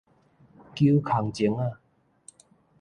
搝空鐘仔